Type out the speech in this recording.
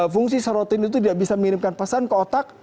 fungsi sarotin itu tidak bisa mengirimkan pesan ke otak